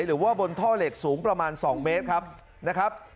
หรือว่าบนท่อเหล็กสูงประมาณ๒เมตรครับนะครับ